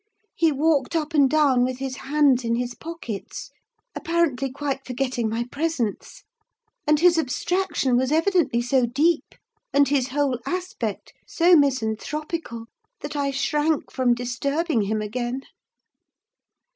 He walked up and down, with his hands in his pockets, apparently quite forgetting my presence; and his abstraction was evidently so deep, and his whole aspect so misanthropical, that I shrank from disturbing him again.